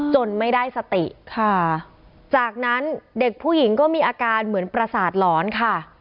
จนไม่ได้สติค่ะจากนั้นเด็กผู้หญิงก็มีอาการเหมือนประสาทหลอนค่ะ